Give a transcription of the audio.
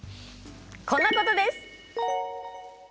こんなことです！